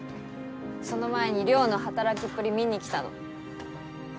その前に稜の働きっぷり見に来たの。